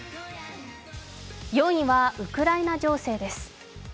４位はウクライナ情勢です